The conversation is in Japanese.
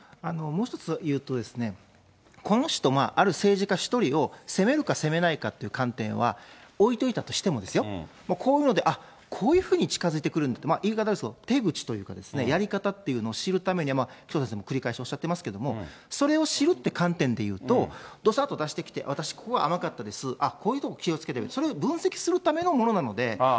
もう一つ言うと、この人、ある政治家一人を責めるか責めないかという観点は置いといたとしても、こういうので、あっ、こういうふうに近づいてくるんだ、言い方悪いですけど、手口というかやり方というのを知るためには、紀藤先生も繰り返しおっしゃっていますけれども、それを知るって観点でいうと、どさっと出してきて、私、ここが甘かったです、こういうとこを気をつけてる、それを分析するためのものなので。